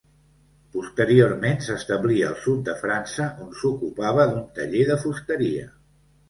Posteriorment s'establí al sud de França on s'ocupava d'un taller de fusteria.